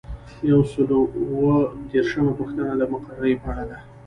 یو سل او اووه دیرشمه پوښتنه د مقررې په اړه ده.